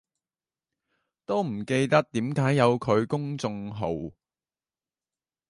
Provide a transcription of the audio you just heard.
都唔記得點解有佢公眾號